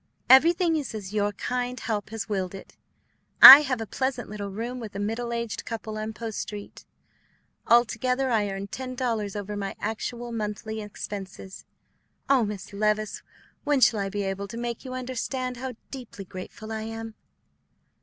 "Everything is as your kind help has willed it. I have a pleasant little room with a middle aged couple on Post Street. Altogether I earn ten dollars over my actual monthly expenses. Oh, Miss Levice, when shall I be able to make you understand how deeply grateful I am?"